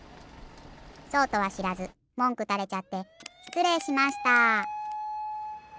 そうとはしらずもんくたれちゃってしつれいしました。